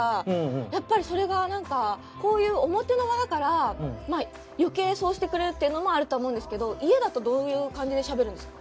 やっぱりそれがなんかこういう表の場だから余計そうしてくれるっていうのもあるとは思うんですけど家だとどういう感じでしゃべるんですか？